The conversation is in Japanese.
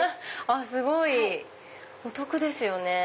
すごい！お得ですよね。